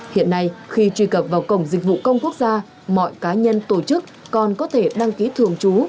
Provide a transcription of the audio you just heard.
hiện nay khi truy cập vào cổng dịch vụ công quốc gia mọi cá nhân tổ chức còn có thể đăng ký thường trú